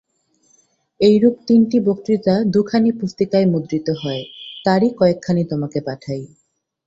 এইরূপ তিনটি বক্তৃতা দুখানি পুস্তিকায় মুদ্রিত হয়, তারই কয়েকখানি তোমাকে পাঠাই।